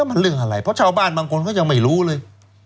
มันเรื่องอะไรเพราะชาวบ้านบางคนเขายังไม่รู้เลย